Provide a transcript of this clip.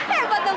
wah hebat dong